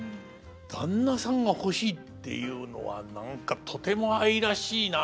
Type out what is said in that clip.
「旦那さんが欲しい」っていうのは何かとても愛らしいなあ。